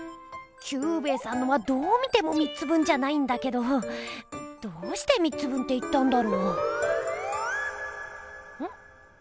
キュウベイさんのはどう見ても３つ分じゃないんだけどどうして３つ分って言ったんだろう？ん？